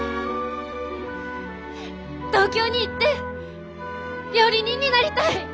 東京に行って料理人になりたい。